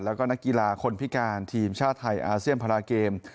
แล้วก็นักกีฬาคนพิการทีมชาติไทยอาเซียนพาราเกม